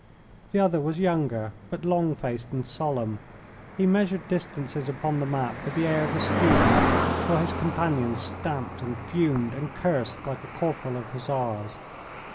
The other was younger, but long faced and solemn. He measured distances upon the map with the air of a student, while his companion stamped and fumed and cursed like a corporal of Hussars.